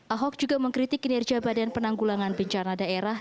ahok juga mengkritik kinerja badan penanggulangan bencana daerah